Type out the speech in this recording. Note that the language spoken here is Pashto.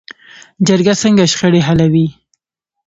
جرګه څنګه شخړې حلوي؟